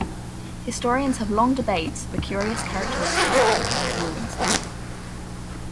Historians have long debates the curious characteristics of the king's ruling style.